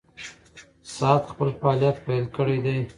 ساعت خپل فعالیت پیل کړی دی.